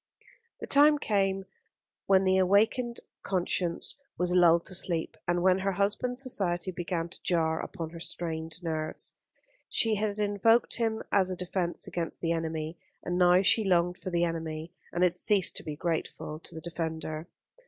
The time came when the awakened conscience was lulled to sleep, and when her husband's society began to jar upon her strained nerves. She had invoked him as a defence against the enemy; and now she longed for the enemy, and had ceased to be grateful to the defender.